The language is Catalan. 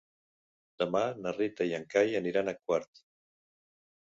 Demà na Rita i en Cai aniran a Quart.